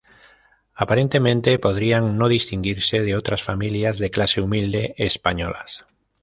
Aparentemente podrían no distinguirse de otras familias de clase humilde españolas.